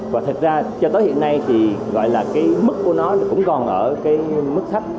và thật ra cho tới hiện nay thì gọi là cái mức của nó cũng còn ở cái mức thấp